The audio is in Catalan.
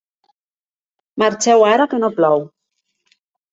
Marxeu ara, que no plou.